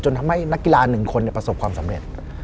ทำให้นักกีฬา๑คนประสบความสำเร็จ